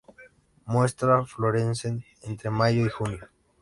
Muestra florecen entre mayo y junio.